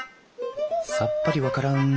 さっぱり分からん。